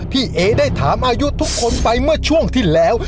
พี่เอ๋ได้ถามอายุทุกคนไปเมื่อช่วงที่แล้ว